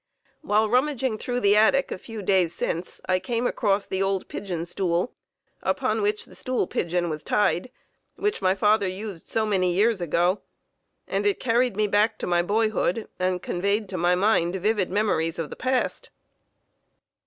While rummaging through the attic a few days since, I came across the old pigeon stool upon which the stool pigeon was tied, which my father used so many years ago, and it carried me back to my boyhood and conveyed to my mind vivid memories of the past.